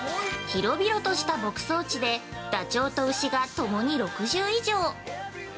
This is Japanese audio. ◆広々とした牧草地でダチョウと牛が共に６０以上。